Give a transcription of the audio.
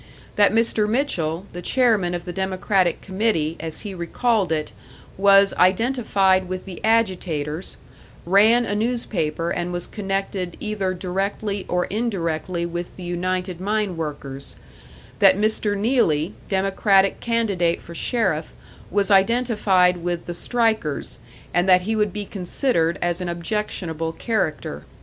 That Mr. Mitchell, the chairman of the Democratic committee, as he recalled it, was identified with the agitators, ran a newspaper and was connected either directly or indirectly with the United Mine Workers; that Mr. Neelley, Democratic candidate for sheriff, was identified with the strikers, and that he would be considered as an objectionable character.